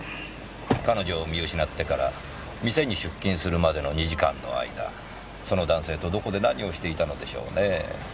彼女を見失ってから店に出勤するまでの２時間の間その男性とどこで何をしていたのでしょうねえ。